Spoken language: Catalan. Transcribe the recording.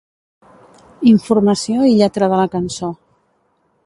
Informació i lletra de la cançó.